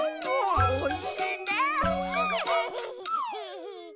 おいしいね。